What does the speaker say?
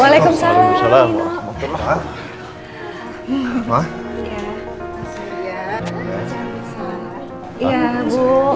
hai selalu lewat waalaikumsalam